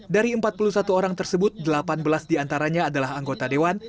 dari empat puluh satu orang tersebut delapan belas diantaranya adalah anggota dewan